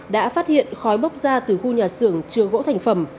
đã phát hiện khói bốc ra từ khu nhà xưởng chứa gỗ thành phẩm